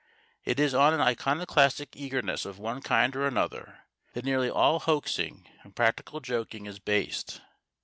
It is on an iconoclastic eagerness of one kind or another that nearly all hoaxing and practical joking is based.